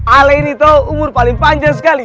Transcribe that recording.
ale ini tuh umur paling panjang sekali